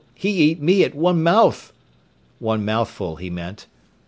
he eat me at one mouth!"—one mouthful he meant.